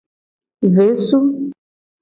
Vesu.